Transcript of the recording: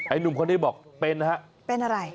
ไอ้หนุ่มคนที่บอกเป็นครับเป็นอะไร